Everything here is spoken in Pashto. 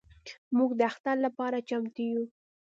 موږ د اختر لپاره چمتو یو.